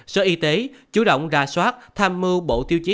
sở y tế chủ động ra soát tham mưu bộ tiêu chí